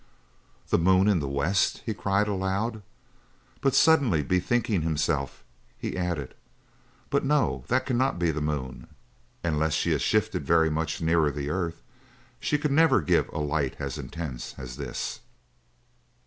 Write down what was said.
"The moon in the west!" he cried aloud; but suddenly bethinking himself, he added: "But no, that cannot be the moon; unless she had shifted very much nearer the earth, she could never give a light as intense as this."